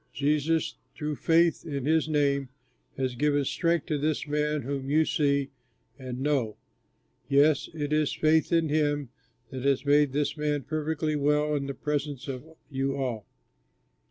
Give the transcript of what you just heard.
Jesus, through faith in his name, has given strength to this man whom you see and know. Yes, it is faith in him that has made this man perfectly well in the presence of you all.